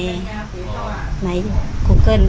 ในกูเกิ้ล